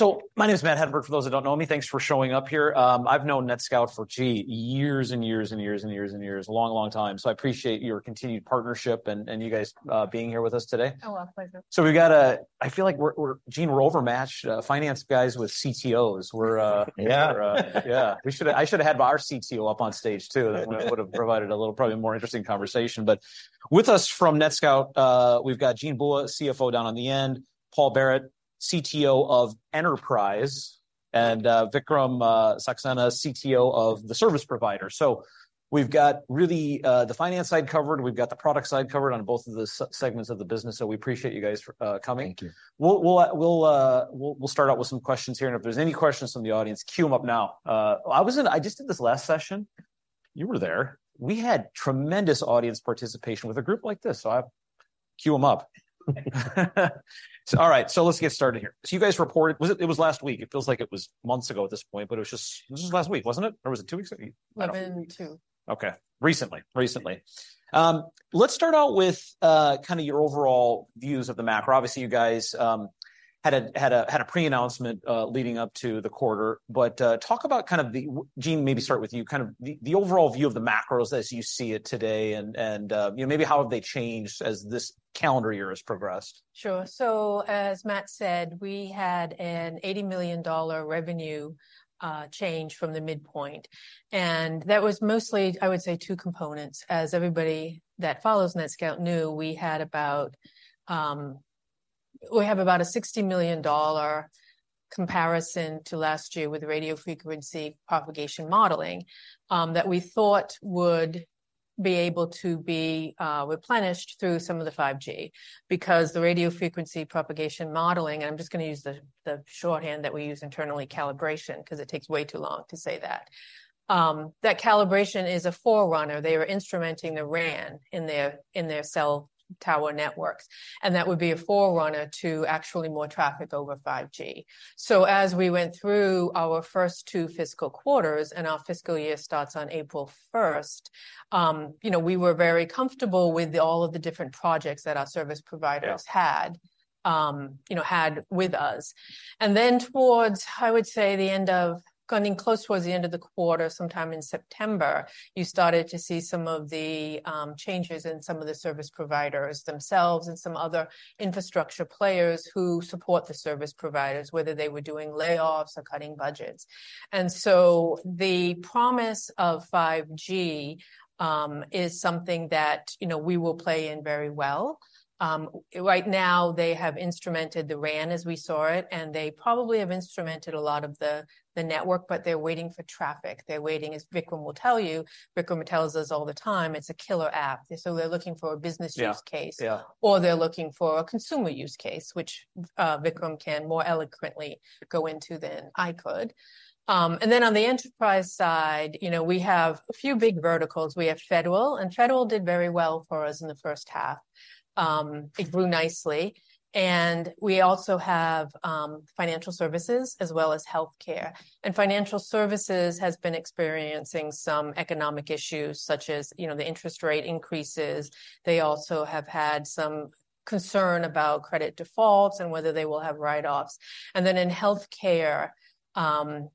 So my name is Matt Hedberg, for those that don't know me. Thanks for showing up here. I've known NETSCOUT for, gee, years and years and years and years and years. A long, long time. So I appreciate your continued partnership, and, and you guys, being here with us today. Oh, our pleasure. So I feel like we're, Jean, overmatched, finance guys with CTOs. We're Yeah. Yeah, I should have had our Chief Technology Officer up on stage, too. It would've provided a little, probably a more interesting conversation. But with us from NETSCOUT, we've got Jean Bua, Chief Financial Officer down on the end, Paul Barrett, Chief Technology Officer of Enterprise, and Vikram Saksena, Chief Technology Officer of the service provider. So we've got, really, the finance side covered, we've got the product side covered on both of the segments of the business, so we appreciate you guys coming. Thank you. We'll start out with some questions here, and if there's any questions from the audience, queue 'em up now. I was in I just did this last session. You were there. We had tremendous audience participation with a group like this, so I. Queue 'em up. So all right, so let's get started here. So you guys reported, was it, it was last week. It feels like it was months ago at this point, but it was just, it was just last week, wasn't it? or was it two weeks ago? It's been two. Okay. Recently. Let's start out with kind of your overall views of the macro. Obviously, you guys had a pre-announcement leading up to the quarter, but talk about kind of the. Jean, maybe start with you, kind of the overall view of the macros as you see it today, and you know, maybe how have they changed as this calendar year has progressed? Sure. so, as Matt said, we had an $80 million revenue change from the midpoint, and that was mostly, I would say, two components. As everybody that follows NETSCOUT knew, we had about... We have about a $60 million comparison to last year with radio frequency propagation modeling that we thought would be able to be replenished through some of the 5G. Because the radio frequency propagation modeling, and I'm just gonna use the shorthand that we use internally, calibration, 'cause it takes way too long to say that. That calibration is a forerunner. They were instrumenting the RAN in their cell tower networks, and that would be a forerunner to actually more traffic over 5G. So as we went through our first two fiscal quarters, and our fiscal year starts on April 1st, you know, we were very comfortable with all of the different projects that our service providers, Yeah Had, you know, had with us. And then towards, I would say, the end of getting close towards the end of the quarter, sometime in September, you started to see some of the changes in some of the service providers themselves and some other infrastructure players who support the service providers, whether they were doing layoffs or cutting budgets. And so the promise of 5G is something that, you know, we will play in very well. Right now, they have instrumented the RAN as we saw it, and they probably have instrumented a lot of the, the network, but they're waiting for traffic. They're waiting, as Vikram will tell you, Vikram tells us all the time, it's a killer app, so they're looking for a business use case. Yeah, yeah. Or they're looking for a consumer use case, which, Vikram can more eloquently go into than I could. And then on the enterprise side, you know, we have a few big verticals. We have federal, and federal did very well for us in the first half. It grew nicely. And we also have, financial services as well as healthcare. And financial services has been experiencing some economic issues, such as, you know, the interest rate increases. They also have had some concern about credit defaults and whether they will have write-offs. And then in healthcare,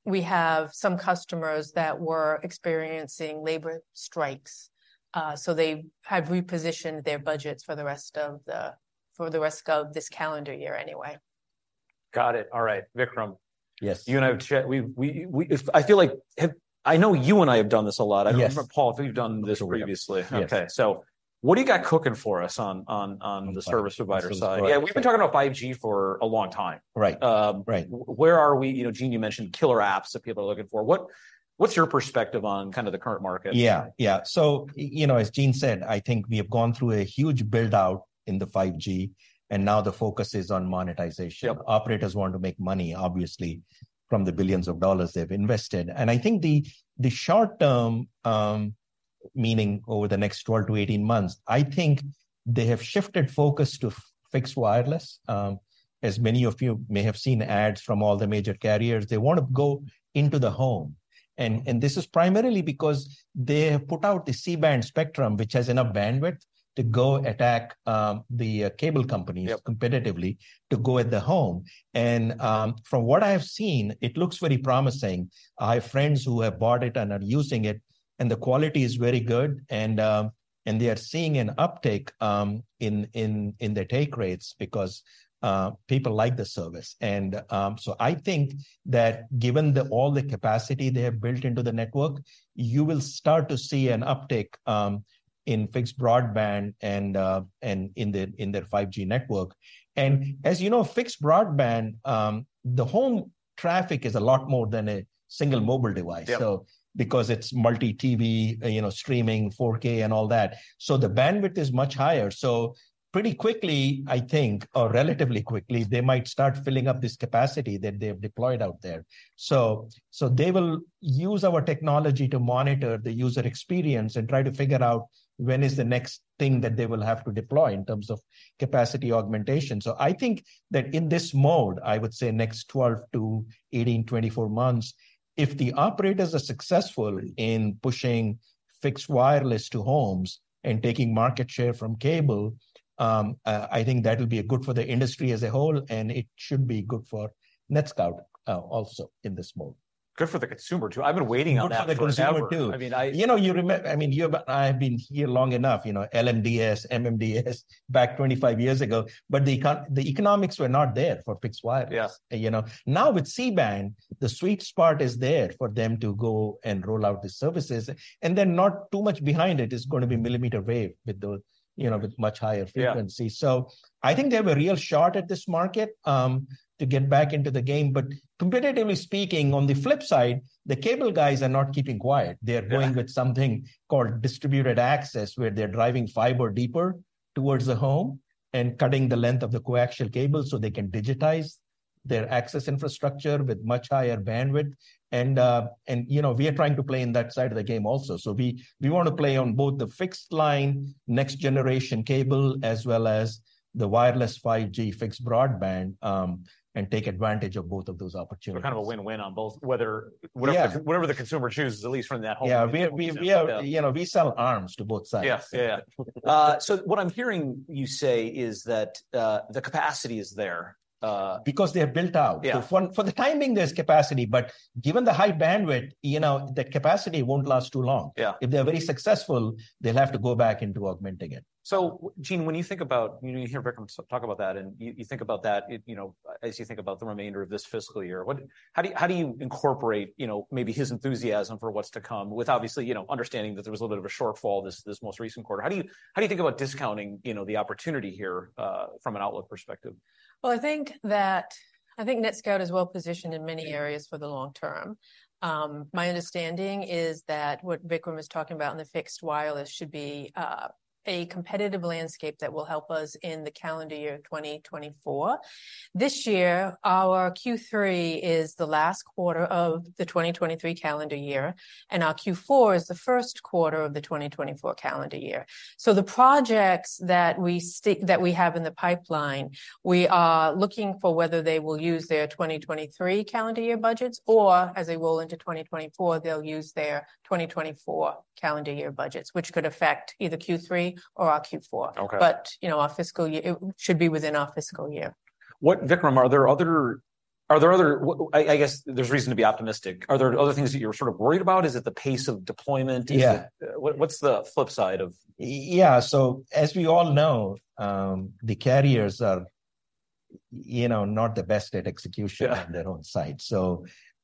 we have some customers that were experiencing labor strikes, so they have repositioned their budgets for the rest of the, for the rest of this calendar year, anyway. Got it. All right, Vikram. Yes. You and I have chatted. I know you and I have done this a lot. Yes. I remember, Paul, I think you've done this previously. Yes. Okay, so what do you got cooking for us on the service provider side? The service provider- Yeah, we've been talking about 5G for a long time. Right. Right. Where are we? You know, Jean, you mentioned killer apps that people are looking for. What's your perspective on kind of the current market? Yeah, yeah. So, you know, as Jean said, I think we have gone through a huge build-out in the 5G, and now the focus is on monetization. Yep. Operators want to make money, obviously, from the billions of dollars they've invested. I think in the short term, meaning over the next 12 to 18 months, I think they have shifted focus to fixed wireless. As many of you may have seen ads from all the major carriers, they want to go into the home. This is primarily because they have put out the C-band spectrum, which has enough bandwidth to go attack the cable companies. Yep Competitively to go at the home. And, from what I have seen, it looks very promising. I have friends who have bought it and are using it, and the quality is very good, and they are seeing an uptake in their take rates because people like the service. And, so I think that given all the capacity they have built into the network, you will start to see an uptake in fixed broadband and in their 5G network. And as you know, fixed broadband, the home-... traffic is a lot more than a single mobile device. Yeah. So because it's multi TV, you know, streaming, 4K, and all that, so the bandwidth is much higher. So pretty quickly, I think, or relatively quickly, they might start filling up this capacity that they've deployed out there. So they will use our technology to monitor the user experience and try to figure out when is the next thing that they will have to deploy in terms of capacity augmentation. So I think that in this mode, I would say next 12 to 18, 24 months, if the operators are successful in pushing fixed wireless to homes and taking market share from cable. I think that'll be good for the industry as a whole, and it should be good for NETSCOUT also in this mode. Good for the consumer, too. I've been waiting on that forever. Good for the consumer, too. I mean. You know, I mean, you, I've been here long enough, you know, LMDS, MMDS, back 25 years ago, but the economics were not there for fixed wireless. Yeah. You know? Now, with C-band, the sweet spot is there for them to go and roll out the services, and then not too much behind it is going to be millimeter wave with the, you know, with much higher frequency. Yeah. So I think they have a real shot at this market, to get back into the game. But competitively speaking, on the flip side, the cable guys are not keeping quiet. Yeah. They're going with something called distributed access, where they're driving fiber deeper towards the home and cutting the length of the coaxial cable so they can digitize their access infrastructure with much higher bandwidth. And, you know, we are trying to play in that side of the game also. So we want to play on both the fixed line, next generation cable, as well as the wireless 5G fixed broadband, and take advantage of both of those opportunities. So kind of a win-win on both, whether- Yeah Whatever the consumer chooses, at least from that home. Yeah, we are, you know, we sell arms to both sides. Yes. Yeah, yeah. So what I'm hearing you say is that the capacity is there. Because they have built out. Yeah. For the time being, there's capacity, but given the high bandwidth, you know, the capacity won't last too long. Yeah. If they're very successful, they'll have to go back into augmenting it. So, Jean, when you think about, you know, you hear Vikram talk about that, and you, you think about that, it, you know, as you think about the remainder of this fiscal year, what... How do you, how do you incorporate, you know, maybe his enthusiasm for what's to come with obviously, you know, understanding that there was a little bit of a shortfall this, this most recent quarter? How do you, how do you think about discounting, you know, the opportunity here, from an outlook perspective? Well, I think that, I think NETSCOUT is well positioned in many areas for the long term. My understanding is that what Vikram is talking about in the fixed wireless should be a competitive landscape that will help us in the calendar year 2024. This year, our Q3 is the last quarter of the 2023 calendar year, and our Q4 is the first quarter of the 2024 calendar year. So the projects that we have in the pipeline, we are looking for whether they will use their 2023 calendar year budgets, or as they roll into 2024, they'll use their 2024 calendar year budgets, which could affect either Q3 or our Q4. Okay. But, you know, our fiscal year, it should be within our fiscal year. Vikram, I guess there's reason to be optimistic. Are there other things that you're sort of worried about? Is it the pace of deployment? Yeah. What’s the flip side of, Yeah, so as we all know, the carriers are, you know, not the best at execution- Yeah On their own site. So,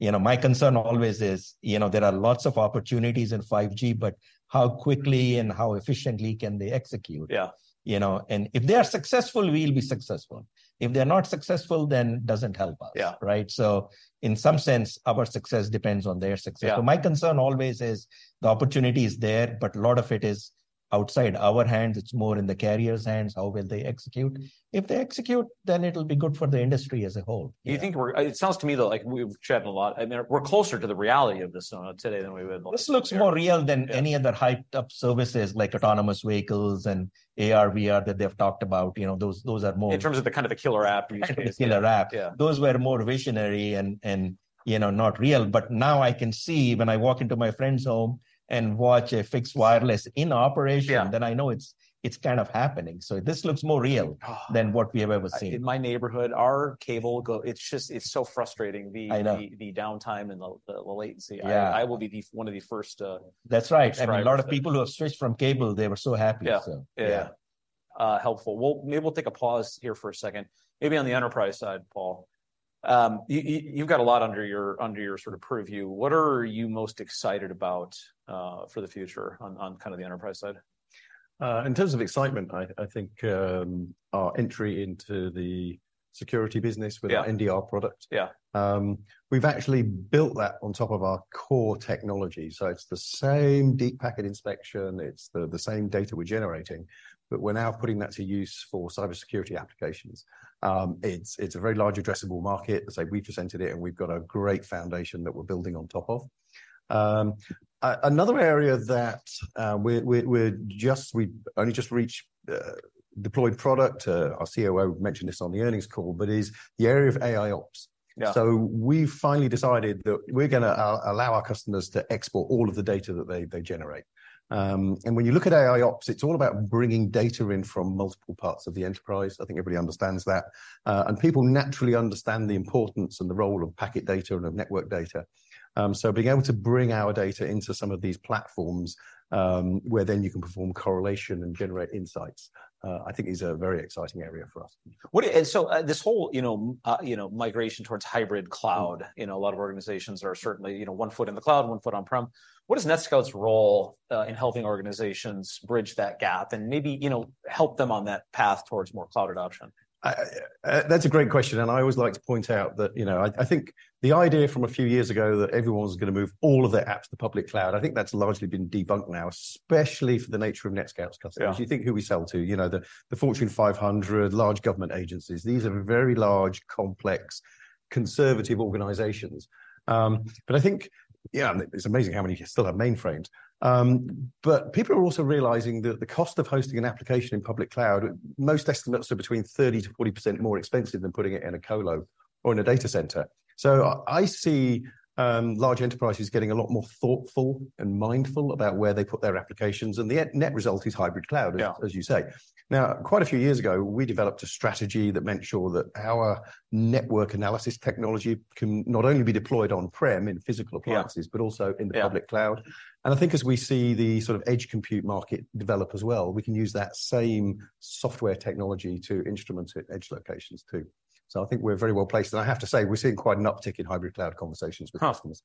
you know, my concern always is, you know, there are lots of opportunities in 5G, but how quickly and how efficiently can they execute? Yeah. You know, and if they are successful, we'll be successful. If they're not successful, then it doesn't help us. Yeah. Right? So in some sense, our success depends on their success. Yeah. My concern always is the opportunity is there, but a lot of it is outside our hands. It's more in the carrier's hands. How will they execute? If they execute, then it'll be good for the industry as a whole. Yeah. Do you think we're... It sounds to me, though, like we've chatted a lot, and we're closer to the reality of this, today than we were before. This looks more real- Yeah Than any other hyped up services like autonomous vehicles and AR/VR that they've talked about. You know, those, those are more, In terms of the kind of the killer app, you said. The killer app. Yeah. Those were more visionary and, you know, not real. But now I can see when I walk into my friend's home and watch a fixed wireless in operation. Yeah Then I know it's, it's kind of happening. So this looks more real- Oh Than what we have ever seen. In my neighborhood, our cable go, it's just, it's so frustrating, the. I know The downtime and the latency. Yeah. I will be one of the first That's right. That's right. A lot of people who have switched from cable, they were so happy. Yeah. So, yeah. Yeah. Helpful. Maybe we'll take a pause here for a second. Maybe on the enterprise side, Paul. You've got a lot under your sort of purview. What are you most excited about for the future on kind of the enterprise side? In terms of excitement, I think our entry into the security business. Yeah. With our NDR product. Yeah. We've actually built that on top of our core technology, so it's the same deep packet inspection, it's the same data we're generating, but we're now putting that to use for cybersecurity applications. It's a very large addressable market, as we've presented it, and we've got a great foundation that we're building on top of. Another area that we're just—we only just reached deployed product, our Chief Operating Officer Yeah. We finally decided that we're gonna allow our customers to export all of the data that they generate. When you look at AIOps, it's all about bringing data in from multiple parts of the enterprise. I think everybody understands that. People naturally understand the importance and the role of packet data and of network data. Being able to bring our data into some of these platforms, where then you can perform correlation and generate insights, I think is a very exciting area for us. And so, this whole, you know, migration towards hybrid cloud, you know, a lot of organizations are certainly, you know, one foot in the cloud, one foot on-prem, what is NETSCOUT's role in helping organizations bridge that gap and maybe, you know, help them on that path towards more cloud adoption? That's a great question, and I always like to point out that, you know, I, I think the idea from a few years ago that everyone was gonna move all of their apps to the public cloud, I think that's largely been debunked now, especially for the nature of NETSCOUT's customers. Yeah. If you think who we sell to, you know, the Fortune 500, large government agencies, these are very large, complex, conservative organizations. But I think, yeah, and it's amazing how many still have mainframes. But people are also realizing that the cost of hosting an application in public cloud, most estimates are between 30% to40% more expensive than putting it in a colo or in a data center. So I see large enterprises getting a lot more thoughtful and mindful about where they put their applications, and the end result is hybrid cloud. Yeah As you say. Now, quite a few years ago, we developed a strategy that made sure that our network analysis technology can not only be deployed on-prem in physical appliances. Yeah But also in the public cloud. Yeah. I think as we see the sort of edge compute market develop as well, we can use that same software technology to instrument edge locations, too. I think we're very well placed, and I have to say, we're seeing quite an uptick in hybrid cloud conversations with customers.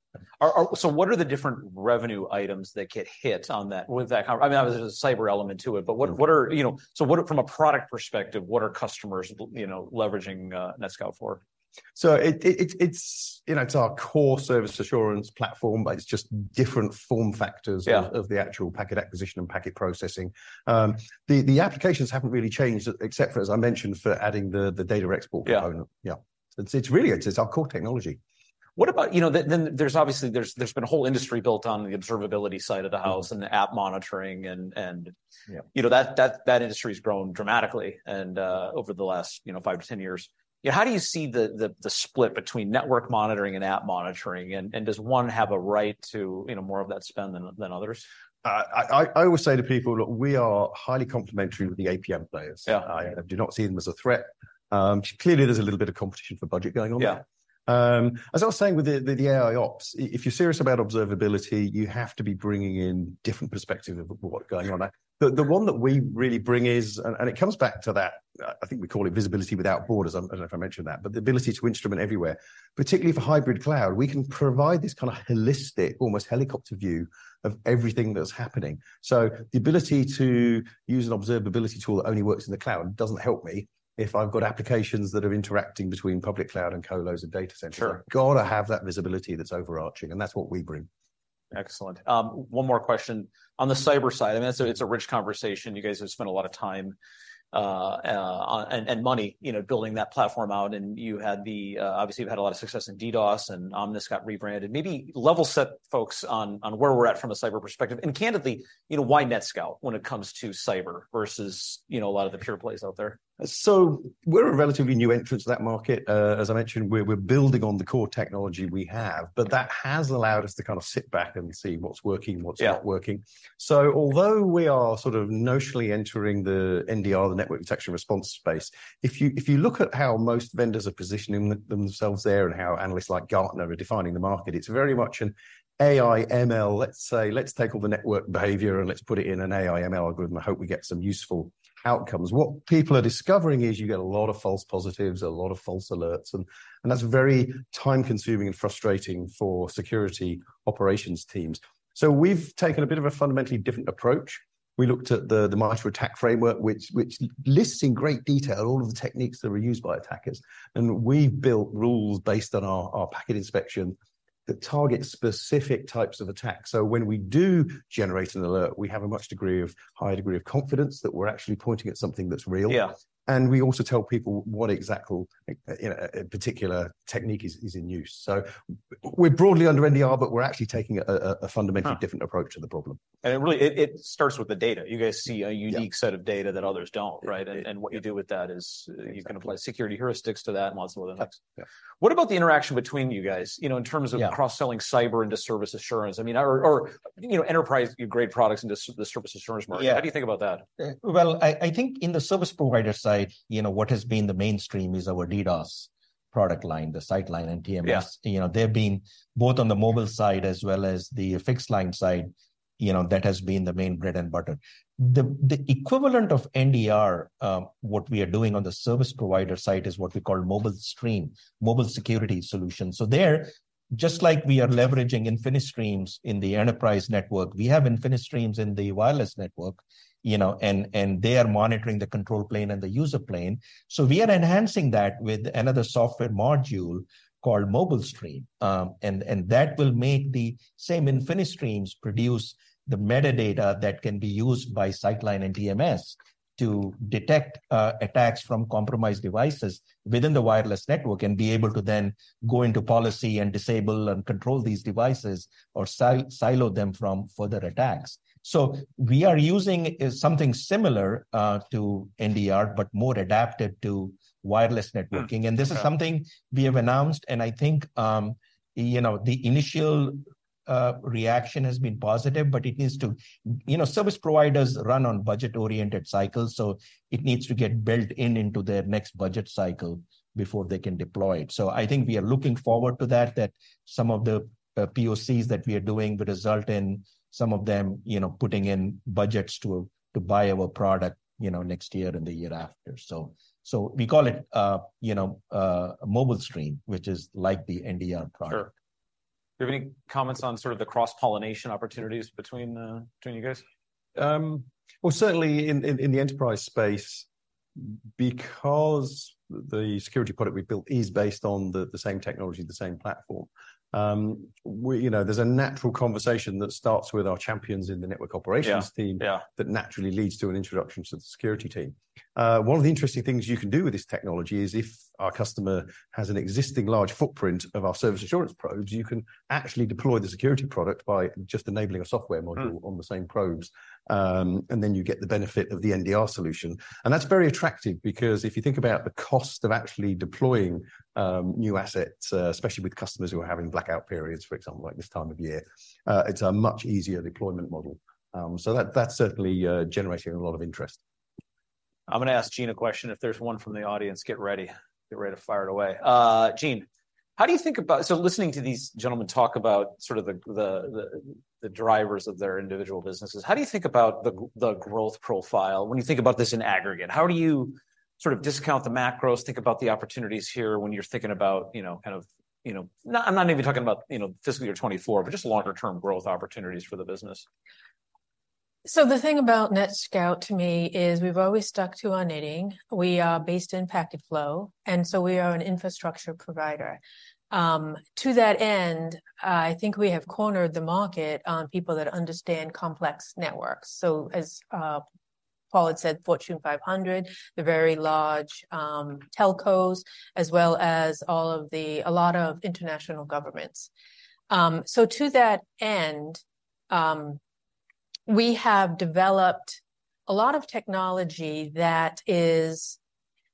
So what are the different revenue items that get hit on that? I mean, obviously, there's a cyber element to it, but what. Yeah What are, you know, so what, from a product perspective, what are customers, you know, leveraging, NETSCOUT for? So it's, you know, it's our core service assurance platform, but it's just different form factors. Yeah Of the actual packet acquisition and packet processing. The applications haven't really changed, except for, as I mentioned, for adding the data export component. Yeah. Yeah. It's really our core technology. What about, you know, then there's obviously been a whole industry built on the observability side of the house and the app monitoring. Yeah You know, that industry's grown dramatically, and over the last, you know, five to 10 years. Yeah, how do you see the split between network monitoring and app monitoring? And does one have a right to, you know, more of that spend than others? I always say to people, "Look, we are highly complementary with the APM players. Yeah. I do not see them as a threat. Clearly, there's a little bit of competition for budget going on. Yeah. As I was saying with the AIOps, if you're serious about observability, you have to be bringing in different perspective of what's going on. Yeah. The one that we really bring is, and it comes back to that. I think we call it Visibility Without Borders. I don't know if I mentioned that, but the ability to instrument everywhere, particularly for hybrid cloud, we can provide this kind of holistic, almost helicopter view of everything that's happening. So the ability to use an observability tool that only works in the cloud doesn't help me if I've got applications that are interacting between public cloud and colos and data centers. Sure. Gotta have that visibility that's overarching, and that's what we bring. Excellent. One more question. On the cyber side, I mean, it's a, it's a rich conversation. You guys have spent a lot of time on and money, you know, building that platform out, and you had the obviously you've had a lot of success in DDoS, and Omnis got rebranded. Maybe level-set folks on where we're at from a cyber perspective, and candidly, you know, why NETSCOUT when it comes to cyber versus, you know, a lot of the pure plays out there? We're a relatively new entrant to that market. As I mentioned, we're building on the core technology we have, but that has allowed us to kind of sit back and see what's working. Yeah And what's not working. So although we are sort of notionally entering the NDR, the network detection and response space, if you look at how most vendors are positioning themselves there and how analysts like Gartner are defining the market, it's very much an AI, ML, let's say, "Let's take all the network behavior, and let's put it in an AI, ML algorithm and hope we get some useful outcomes." What people are discovering is you get a lot of false positives, a lot of false alerts, and that's very time-consuming and frustrating for security operations teams. So we've taken a bit of a fundamentally different approach. We looked at the MITRE ATT&CK framework, which lists in great detail all of the techniques that are used by attackers, and we've built rules based on our packet inspection that target specific types of attacks. So when we do generate an alert, we have a higher degree of confidence that we're actually pointing at something that's real. Yeah. We also tell people what exact or you know a particular technique is in use. So we're broadly under NDR, but we're actually taking a fundamentally. Ah Different approach to the problem. It really starts with the data. You guys see a unique. Yeah Set of data that others don't, right? Yeah. And what you do with that is. Exactly You can apply security heuristics to that and lots of other things. Yeah. What about the interaction between you guys, you know, in terms of? Yeah Cross-selling cyber into service assurance? I mean, or you know, enterprise grade products into the service assurance market. Yeah. How do you think about that? Well, I think in the service provider side, you know, what has been the mainstream is our DDoS product line, the Sightline and TMS. Yeah. You know, they've been both on the mobile side, as well as the fixed-line side. You know, that has been the main bread and butter. The equivalent of NDR, what we are doing on the service provider side is what we call MobileStream, mobile security solution. So there, just like we are leveraging InfiniStreams in the enterprise network, we have InfiniStreams in the wireless network, you know, and they are monitoring the control plane and the user plane. So we are enhancing that with another software module called MobileStream. And that will make the same InfiniStreams produce the metadata that can be used by Sightline and TMS to detect attacks from compromised devices within the wireless network, and be able to then go into policy and disable and control these devices or silo them from further attacks. We are using something similar to NDR, but more adapted to wireless networking. Hmm. Yeah. This is something we have announced, and I think, you know, the initial reaction has been positive, but it needs to. You know, service providers run on budget-oriented cycles, so it needs to get built into their next budget cycle before they can deploy it. So I think we are looking forward to that, that some of the POCs that we are doing will result in some of them, you know, putting in budgets to buy our product, you know, next year and the year after. So we call it, you know, MobileStream, which is like the NDR product. Sure. Do you have any comments on sort of the cross-pollination opportunities between you guys? Well, certainly in the enterprise space, because the security product we built is based on the same technology, the same platform, you know, there's a natural conversation that starts with our champions in the network operations team- Yeah, yeah That naturally leads to an introduction to the security team. One of the interesting things you can do with this technology is if our customer has an existing large footprint of our service assurance probes, you can actually deploy the security product by just enabling a software module on the same probes. And then you get the benefit of the NDR solution. And that's very attractive, because if you think about the cost of actually deploying new assets, especially with customers who are having blackout periods, for example, like this time of year, it's a much easier deployment model. So that's certainly generating a lot of interest. I'm gonna ask Jean a question. If there's one from the audience, get ready. Get ready to fire it away. Jean, how do you think about... So listening to these gentlemen talk about sort of the drivers of their individual businesses, how do you think about the growth profile when you think about this in aggregate? How do you sort of discount the macros, think about the opportunities here when you're thinking about, you know, kind of, you know, not, I'm not even talking about, you know, fiscally or 2024, but just longer term growth opportunities for the business? So the thing about NETSCOUT to me is we've always stuck to our knitting. We are based in packet flow, and so we are an infrastructure provider. To that end, I think we have cornered the market on people that understand complex networks. So as Paul had said, Fortune 500, the very large telcos, as well as all of the- a lot of international governments. So to that end, we have developed a lot of technology that is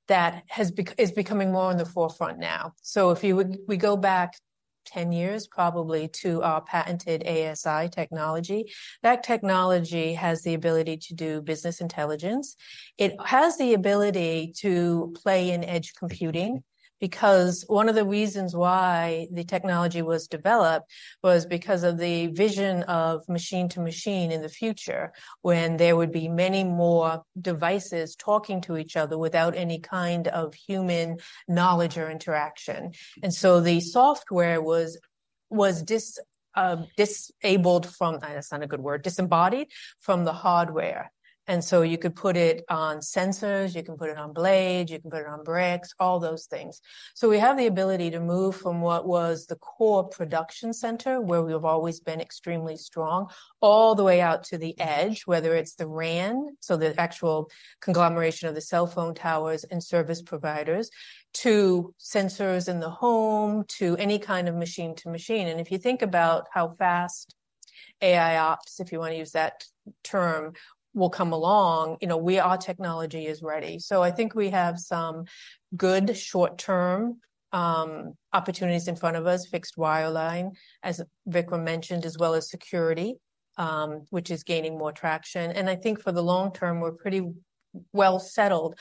becoming more on the forefront now. So we go back 10 years, probably to our patented ASI technology, that technology has the ability to do business intelligence. It has the ability to play in edge computing, because one of the reasons why the technology was developed was because of the vision of machine to machine in the future, when there would be many more devices talking to each other without any kind of human knowledge or interaction. And so the software was disembodied from the hardware, and so you could put it on sensors, you can put it on blades, you can put it on bricks, all those things. So we have the ability to move from what was the core production center, where we have always been extremely strong, all the way out to the edge, whether it's the RAN, so the actual conglomeration of the cell phone towers and service providers, to sensors in the home, to any kind of machine to machine. If you think about how fast AIOps, if you wanna use that term, will come along, you know, we, our technology is ready. So I think we have some good short-term opportunities in front of us, fixed wireline, as Vikram mentioned, as well as security, which is gaining more traction. And I think for the long term, we're pretty well settled,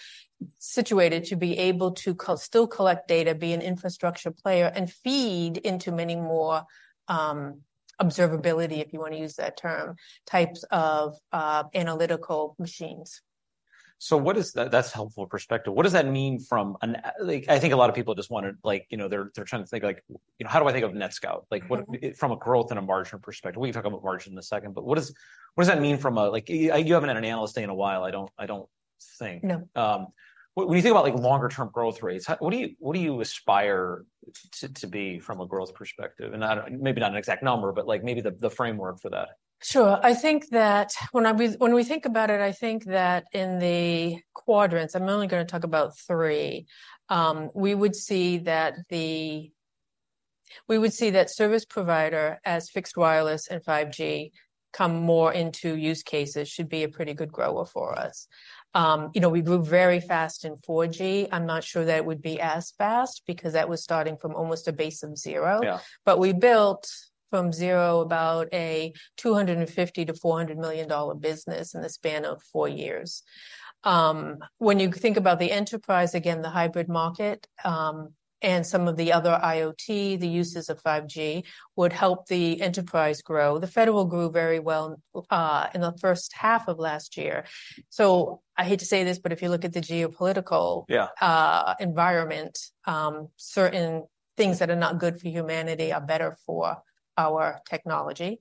situated to be able to still collect data, be an infrastructure player, and feed into many more, observability, if you wanna use that term, types of analytical machines. That, that's a helpful perspective. What does that mean from an—like, I think a lot of people just wanna, like, you know, they're, they're trying to think, like, you know, "How do I think of NETSCOUT? Like, what, from a growth and a margin perspective. We can talk about margin in a second, but what does that mean from a Like, you haven't had an analyst day in a while, I don't think. No. When you think about, like, longer term growth rates, how, what do you, what do you aspire to, to be from a growth perspective? I don't, maybe not an exact number, but, like, maybe the, the framework for that. Sure. I think that when we think about it, I think that in the quadrants, I'm only gonna talk about three, we would see that service provider as fixed wireless and 5G come more into use cases should be a pretty good grower for us. You know, we grew very fast in 4G. I'm not sure that it would be as fast, because that was starting from almost a base of zero. Yeah. But we built from zero about a $250 million to $400 million business in the span of four years. When you think about the enterprise, again, the hybrid market, and some of the other IoT, the uses of 5G would help the enterprise grow. The federal grew very well in the first half of last year. So I hate to say this, but if you look at the geopolitical. Yeah Environment, certain things that are not good for humanity are better for our technology.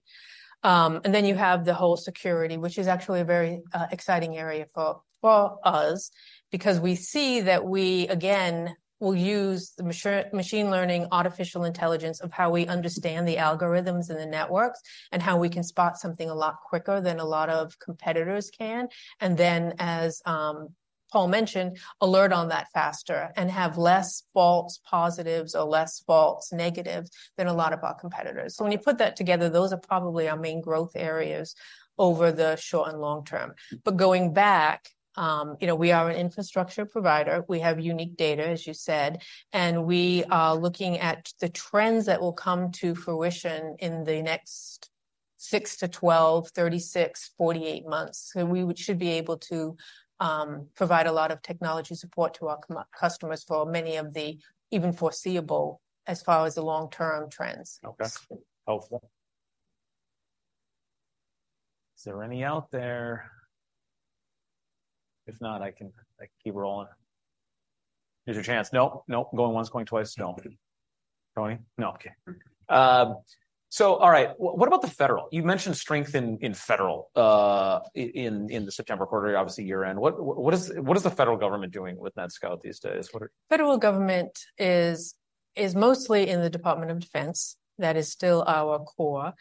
And then you have the whole security, which is actually a very, exciting area for, for us, because we see that we, again, will use the machine learning, artificial intelligence of how we understand the algorithms and the networks, and how we can spot something a lot quicker than a lot of competitors can. And then, as, Paul mentioned, alert on that faster, and have less false positives or less false negatives than a lot of our competitors. So when you put that together, those are probably our main growth areas over the short and long term. But going back, you know, we are an infrastructure provider. We have unique data, as you said, and we are looking at the trends that will come to fruition in the next six to 12, 36, 48 months. So we should be able to provide a lot of technology support to our customers for many of the even foreseeable as far as the long-term trends. Okay. Helpful. Is there any out there? If not, I can keep rolling. Here's your chance. Nope, nope. Going once, going twice. No. Going? No. Okay. So all right. What about the federal? You mentioned strength in federal, in the September quarter, obviously year-end. What is the federal government doing with NETSCOUT these days? Federal government is mostly in the Department of Defense. That is still our core.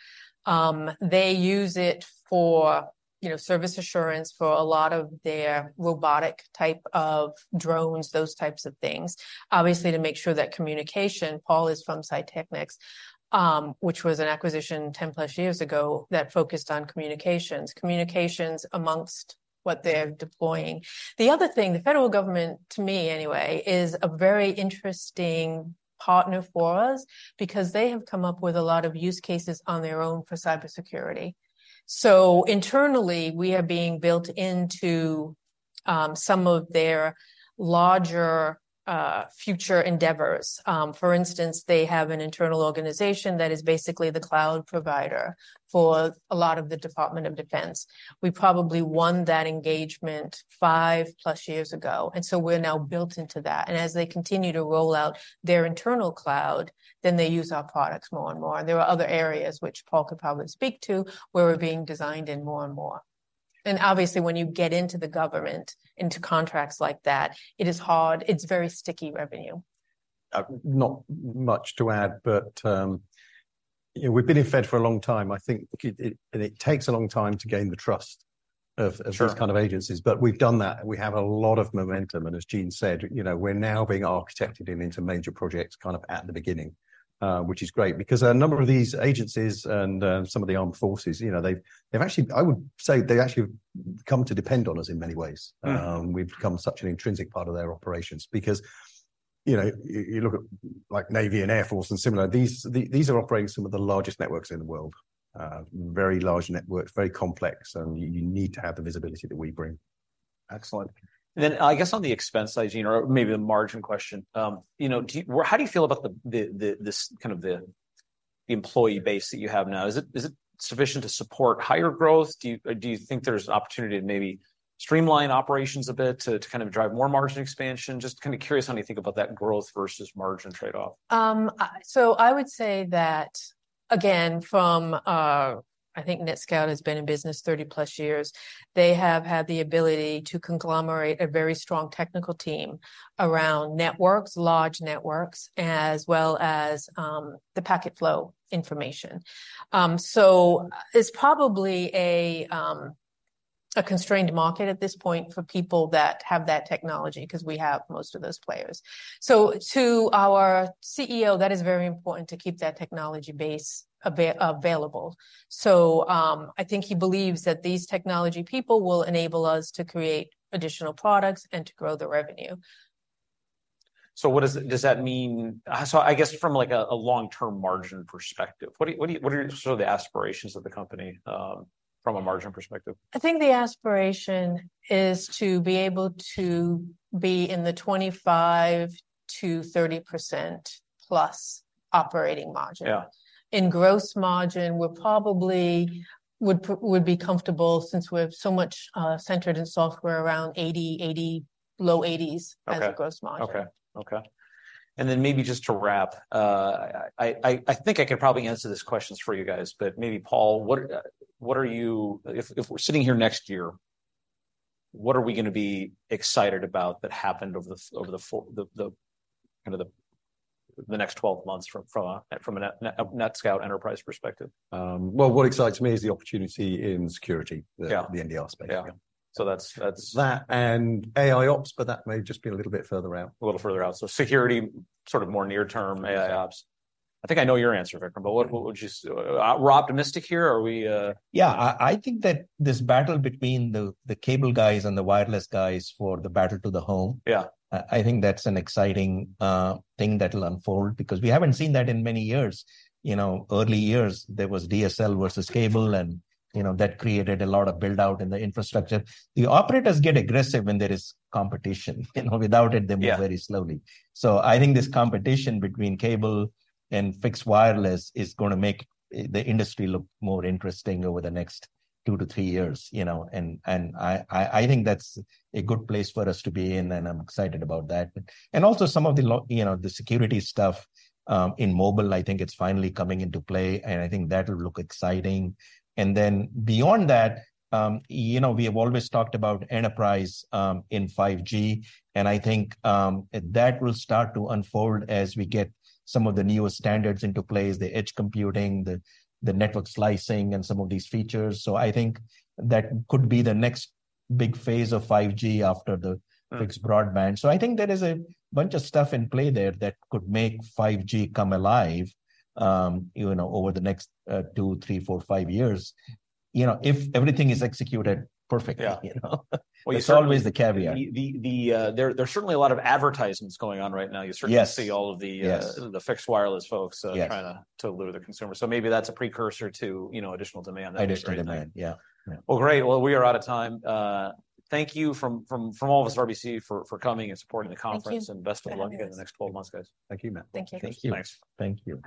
They use it for, you know, service assurance for a lot of their robotic type of drones, those types of things. Obviously, to make sure that communication, Paul is from Psytechnics, which was an acquisition 10+ years ago that focused on communications. Communications amongst what they're deploying. The other thing, the federal government, to me anyway, is a very interesting partner for us because they have come up with a lot of use cases on their own for cybersecurity. So internally, we are being built into some of their larger, future endeavors. For instance, they have an internal organization that is basically the cloud provider for a lot of the Department of Defense. We probably won that engagement five+ years ago, and so we're now built into that. As they continue to roll out their internal cloud, then they use our products more and more. There are other areas which Paul could probably speak to, where we're being designed in more and more. Obviously, when you get into the government, into contracts like that, it is hard, it's very sticky revenue. Not much to add, but, you know, we've been in Fed for a long time, I think, it, and it takes a long time to gain the trust of. Sure Of these kind of agencies, but we've done that, and we have a lot of momentum. And as Jean said, you know, we're now being architected into major projects kind of at the beginning, which is great. Because a number of these agencies and, some of the armed forces, you know, they've, they've actually, I would say they actually have come to depend on us in many ways. We've become such an intrinsic part of their operations. Because, you know, you look at, like, Navy and Air Force and similar, these are operating some of the largest networks in the world. Very large networks, very complex, and you need to have the visibility that we bring. Excellent. Then I guess on the expense side, Jean, or maybe the margin question, you know, do you... How do you feel about this kind of employee base that you have now? Is it sufficient to support higher growth? Do you think there's an opportunity to maybe streamline operations a bit to kind of drive more margin expansion? Just kind of curious how you think about that growth versus margin trade-off. So I would say that, again, I think NETSCOUT has been in business 30+ years. They have had the ability to conglomerate a very strong technical team around networks, large networks, as well as the packet flow information. So it's probably a constrained market at this point for people that have that technology, 'cause we have most of those players. So to our Chief Executive Officer, that is very important to keep that technology base available. So I think he believes that these technology people will enable us to create additional products and to grow the revenue. So what does that mean? So I guess from, like, a long-term margin perspective, what do you, what are sort of the aspirations of the company from a margin perspective? I think the aspiration is to be able to be in the 25% to 30%+ operating margin. Yeah. In gross margin, we're probably would be comfortable, since we're so much centered in software, around 80%, 80%, low 80s- Okay As a gross margin. Okay. Okay. And then maybe just to wrap, I think I could probably answer these questions for you guys, but maybe Paul, what are you... If we're sitting here next year, what are we gonna be excited about that happened over the next 12 months from a NETSCOUT enterprise perspective? Well, what excites me is the opportunity in security. Yeah. The NDR space. Yeah. So that's. That, and AIOps, but that may just be a little bit further out. A little further out. So security, sort of more near term, AIOps. I think I know your answer, Vikram, but what would you... We're optimistic here, or are we? Yeah, I think that this battle between the cable guys and the wireless guys for the battle to the home. Yeah I think that's an exciting thing that will unfold, because we haven't seen that in many years. You know, early years, there was DSL versus cable, and, you know, that created a lot of build-out in the infrastructure. The operators get aggressive when there is competition. You know, without it- Yeah They move very slowly. So I think this competition between cable and fixed wireless is gonna make the industry look more interesting over the next two to three years, you know. And I think that's a good place for us to be in, and I'm excited about that. And also some of the, you know, the security stuff in mobile, I think it's finally coming into play, and I think that will look exciting. And then beyond that, you know, we have always talked about enterprise in 5G, and I think that will start to unfold as we get some of the newer standards into place, the edge computing, the network slicing, and some of these features. So I think that could be the next big phase of 5G after the. Fixed broadband. So I think there is a bunch of stuff in play there that could make 5G come alive, you know, over the next two, three, four, five years. You know, if everything is executed perfectly- Yeah You know, that's always the caveat. There's certainly a lot of advertisements going on right now. Yes. You certainly see all of the... Yes The fixed wireless folks- Yes Trying to lure the consumer. So maybe that's a precursor to, you know, additional demand. Additional demand, yeah. Yeah. Well, great. Well, we are out of time. Thank you from all of us at RBC for coming and supporting the conference. Thank you. Best of luck in the next 12 months, guys. Thank you, Matt. Thank you. Thank you. Thanks. Thank you.